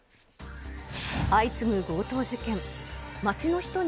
相次ぐ強盗事件。